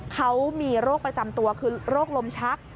เขามีโรคประจำตัวคือโรคลมชัก